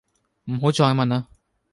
唔好再問呀